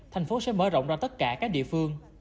thành phố sẽ mở rộng ra tất cả các địa phương